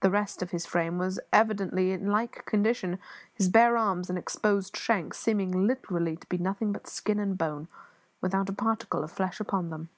The rest of his frame was evidently in like condition; his bare arms and exposed shanks seeming literally to be nothing but skin and bone, without a particle of flesh upon them.